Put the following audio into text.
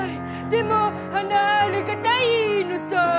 でも離れがたいのさ。